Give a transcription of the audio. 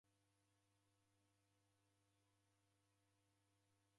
Dimkase Jesu.